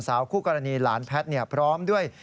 คู่กรณีหลานแพทย์พร้อมด้วย